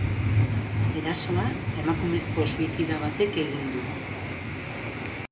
Erasoa emakumezko suizida batek egin du.